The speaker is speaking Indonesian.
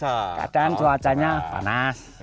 kalau keadaan cuacanya panas